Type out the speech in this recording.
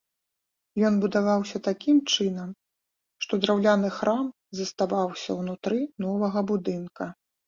Ён будаваўся такім чынам, што драўляны храм заставаўся ўнутры новага будынка.